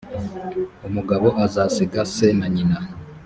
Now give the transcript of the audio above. umugabo azasiga se na nyina